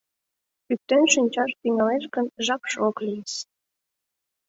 — Пӱктен шинчаш тӱҥалеш гын, жапше ок лийыс.